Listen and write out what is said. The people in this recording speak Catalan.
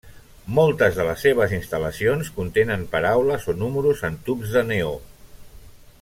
Moltes de les seves instal·lacions contenen paraules o números en tubs de neó.